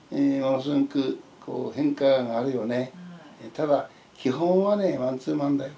ただ基本はねマンツーマンだよ。